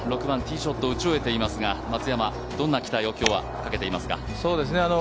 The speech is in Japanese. ６番ティーショットを打ち終えていますが、松山、今日はどんな期待をかけていますか？